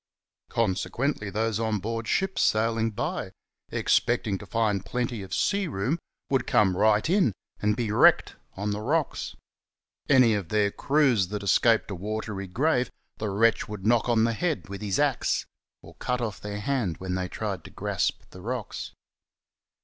Consequently those on board ships sailing by, expecting to find plenty of sea room, would come right in and be wrecked on the rocks. Any of their crews that escaped a watery grave the wretch would knock on the head with his axe, or cut off their hand when they tried to grasp the rocks.